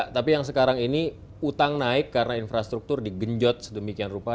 tapi yang sekarang ini utang naik karena infrastruktur digenjot sedemikian rupa